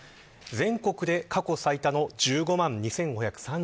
全国で過去最多の１５万２５３６人。